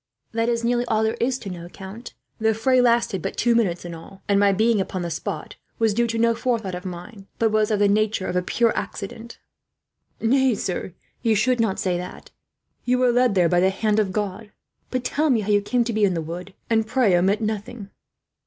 "That is nearly all there is to know, count. The fray lasted but two minutes, in all; and my being upon the spot was due to no forethought of mine, but was of the nature of a pure accident." "Nay, sir, you should not say that; you were led there by the hand of God. But tell me how you came to be in the wood, and pray omit nothing."